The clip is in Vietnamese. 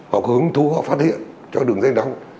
họ cứ hứng thú họ phát hiện cho đường dây đông